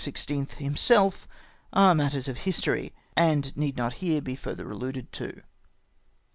liimself, are matters of history and need not here be fiuther aUuded to.